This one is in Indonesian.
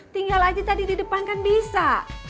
tinggal aja tadi di depan kan bisa